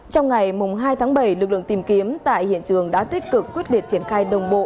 trong ngày hai tháng bảy lực lượng tìm kiếm tại hiện trường đã tích cực quyết liệt triển khai đồng bộ